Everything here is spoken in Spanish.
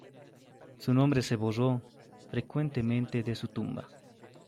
Su nombre se borró frecuentemente de su tumba.